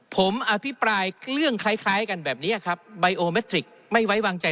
ผมอภิปรายเรื่องคล้ายคล้ายกันแบบเนี้ยครับไม่ไว้วางใจ